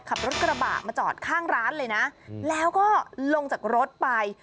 ขับรถกระบะมาจอดข้างร้านเลยนะแล้วก็ลงจากรถไป